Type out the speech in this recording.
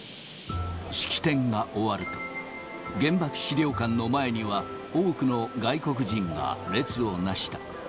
式典が終わると、原爆資料館の前には、多くの外国人が列をなした。